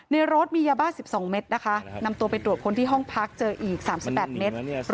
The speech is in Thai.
ในรถมียาบ้า๑๒เมตรนะคะนำตัวไปตรวจคนที่ห้องพักเจออีก๓๘เมตร